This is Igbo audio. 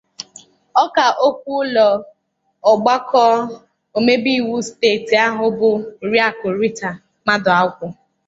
ọka okwu ụlọ ọgbakọ omebe iwu steet ahụ bụ Oriakụ Rita Madụagwụ